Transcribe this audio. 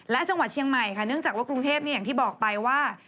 และจังหวัดเชียงใหม่ค่ะเนื่องจากว่ากรุงเทพอย่างที่บอกไปว่า